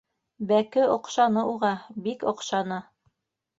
Бәке оҡшаны уға, бик оҡшаны.